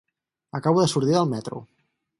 Acabo de sortir del metro.